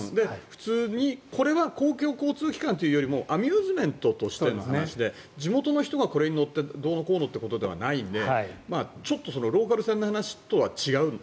普通に、これは公共交通機関というよりもアミューズメントとしての話で地元の人がこれに乗ってどうのこうのということではないのでちょっとローカル線の話とは違う。